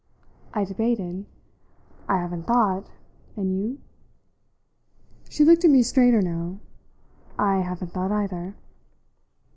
I debated. "I haven't thought. And you?" She looked at me straighter now. "I haven't thought either."